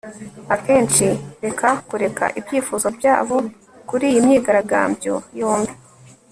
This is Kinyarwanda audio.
akenshi reka kureka ibyifuzo byabo kuri iyi myigaragambyo yombi